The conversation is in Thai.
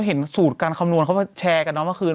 เห็นสูตรการคำนวณเขามาแชร์กันเนาะเมื่อคืน